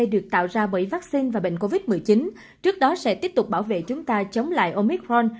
được tạo ra bởi vaccine và bệnh covid một mươi chín trước đó sẽ tiếp tục bảo vệ chúng ta chống lại omicron